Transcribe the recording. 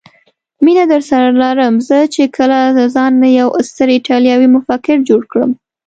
مینه درسره لرم، زه چې کله له ځانه یو ستر ایټالوي مفکر جوړ کړم.